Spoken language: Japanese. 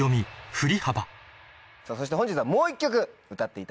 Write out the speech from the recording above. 振り幅さぁそして本日はもう１曲歌っていただきます。